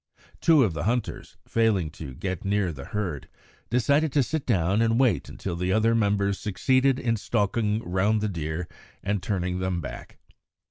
Two of the hunters, failing to get near the herd, decided to sit down and wait until the other members succeeded in stalking round the deer and turning them back.